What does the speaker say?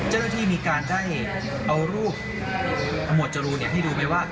เจ้าหน้าที่มีการได้เอารูปหมวดจรูนให้ดูไหมว่า